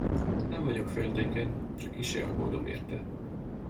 Nem vagyok féltékeny, csak kissé aggódom érte.